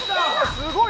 すごい！